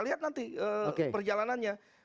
lihat nanti perjalanannya